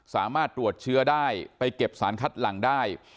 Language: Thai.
สามารถตรวจเชื้อได้ไปเก็บสารคัดหลังได้